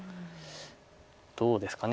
どうですかね。